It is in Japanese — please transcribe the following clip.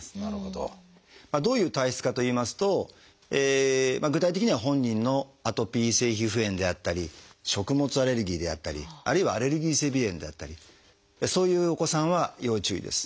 どういう体質かといいますと具体的には本人のアトピー性皮膚炎であったり食物アレルギーであったりあるいはアレルギー性鼻炎であったりそういうお子さんは要注意です。